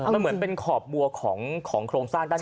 มันเหมือนเป็นขอบบัวของโครงสร้างด้านใน